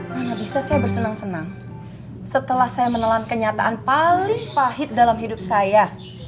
mana bisa saya bersenang senang setelah saya menelan kenyataan paling pahit dalam hidup saya